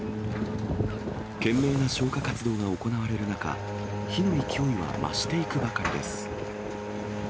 懸命な消火活動が行われる中、火の勢いは増していくばかりです。